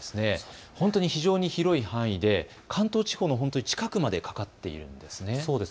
非常に広い範囲で関東地方の本当に近くまでかかっているんですね。